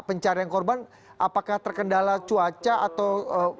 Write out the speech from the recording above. pencarian korban apakah terkendala cuaca atau